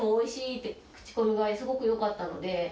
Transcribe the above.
って口コミがすごく良かったので。